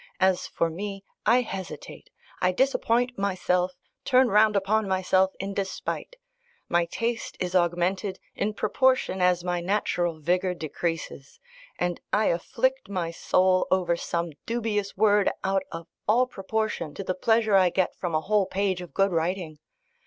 As for me, I hesitate, I disappoint myself, turn round upon myself in despite: my taste is augmented in proportion as my natural vigour decreases, and I afflict my soul over some dubious word out of all proportion to the pleasure I get from a whole page of good writing.